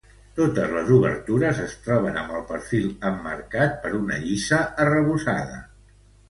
Totes les obertures es troben amb el perfil emmarcat per una llisa arrebossada.